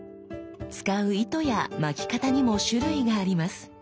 使う糸や巻き方にも種類があります。